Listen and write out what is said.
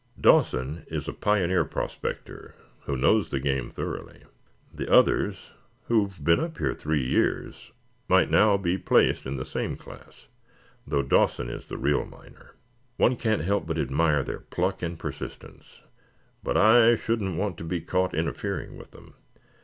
Dawson is a pioneer prospector who knows the game thoroughly. The others, who have been up here three years, might now be placed in the same class, though Dawson is the real miner. One can't help but admire their pluck and persistence, but I shouldn't want to be caught interfering with them.